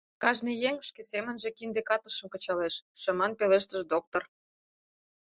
Кажне еҥ шке семынже кинде катышым кычалеш, — шыман пелештыш доктор.